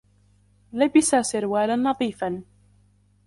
لبس سروالاَ نظيفاَ.